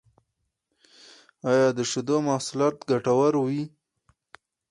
ایا د شیدو محصولات ګټور وی؟